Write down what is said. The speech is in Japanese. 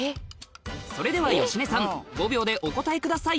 それでは芳根さん５秒でお答えください